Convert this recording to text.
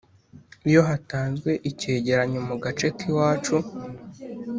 Iyo hatanzwe ikigereranyo mu gace kiwacu